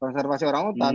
konservasi orang hutan